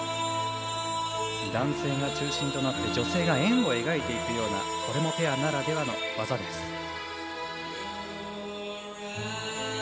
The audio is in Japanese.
男性が中心となって女性が円を描いていくようなこれもペアならではの技です。